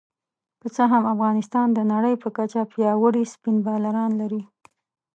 که څه هم افغانستان د نړۍ په کچه پياوړي سپېن بالران لري